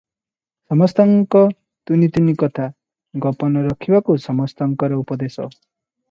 ସମସ୍ତଙ୍କ ତୁନି ତୁନି କଥା, ଗୋପନ ରଖିବାକୁ ସମସ୍ତଙ୍କର ଉପଦେଶ ।